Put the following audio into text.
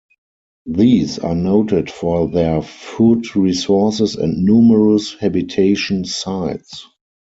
These are noted for their food resources and numerous habitation sites.